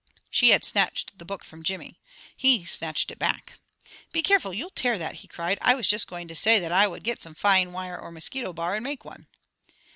She had snatched the book from Jimmy. He snatched it back. "Be careful, you'll tear that!" he cried. "I was just going to say that I would get some fine wire or mosquito bar and make one."